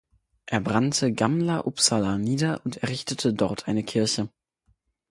Er brannte Gamla Uppsala nieder und errichtete dort eine Kirche.